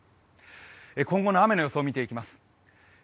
今後の雨の予想を見ていきます。